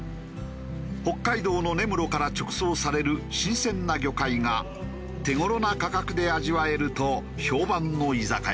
北海道の根室から直送される新鮮な魚介が手頃な価格で味わえると評判の居酒屋だ。